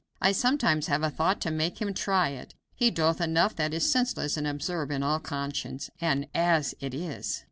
I sometimes have a thought to make him try it. He doeth enough that is senseless and absurd, in all conscience, as it is.